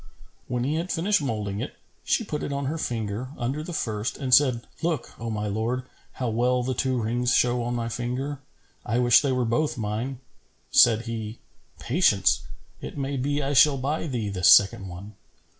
When he had finished moulding it, she put it on her finger, under the first, and said, "Look, O my lord, how well the two rings show on my finger! I wish they were both mine." Said he, "Patience! It may be I shall buy thee this second one."